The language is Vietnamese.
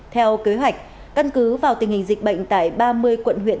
theo kế hoạch căn cứ vào tình hình dịch bệnh tại ba mươi quận huyện